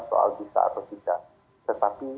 soal bisa atau tidak tetapi